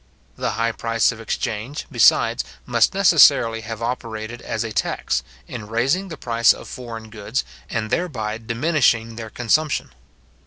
The high price of exchange, besides, must necessarily have operated as a tax, in raising the price of foreign goods, and thereby diminishing their consumption.